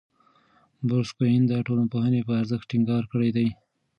بروس کوئن د ټولنپوهنې په ارزښت ټینګار کړی دی.